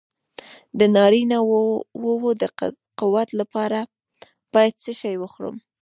د نارینه وو د قوت لپاره باید څه شی وخورم؟